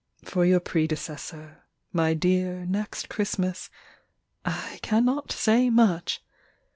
For your predecessor, My dear Next Christmas, I cannot say much.